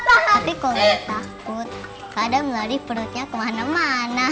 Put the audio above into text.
tapi kalau dia takut kadang lari perutnya kemana mana